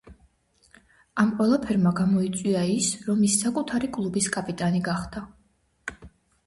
ამ ყველაფერმა გამოიწვია ის, რომ ის საკუთარი კლუბის კაპიტანი გახდა.